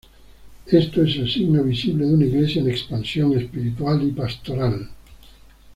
Esto es el signo visible de una Iglesia en expansión espiritual y pastoral.